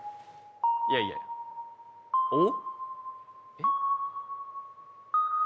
いやいやおっ？